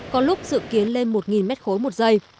có lúc dự kiến lên một m ba một giây